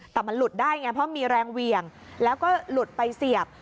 แต่มันหลุดได้ไงเพราะมีแรงเหวี่ยงแล้วก็หลุดไปเสียบ